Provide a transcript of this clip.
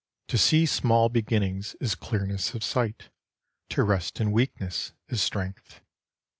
To see small beginnings is clearness of sight. To rest in weakness is strength.